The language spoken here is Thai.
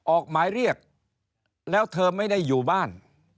ออกหมายเรียกแล้วเธอไม่ได้อยู่บ้าน